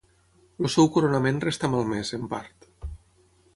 El seu coronament resta malmès, en part.